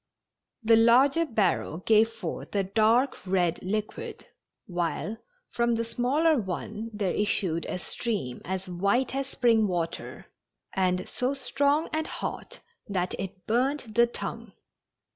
The larger barrel gave forth a dark red liquid, while from the smaller one there issued a stream as white as spring water, and so strong and hot that it burned the tongue.